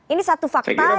ini satu fakta yang akan